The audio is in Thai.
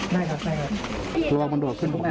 แม่นั่นไว้แม่นั่นไว้แม่